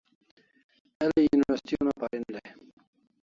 El'i university una parin dai